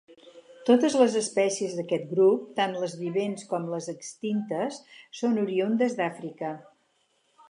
Totes les espècies d'aquest grup, tant les vivents com les extintes, són oriündes d'Àfrica.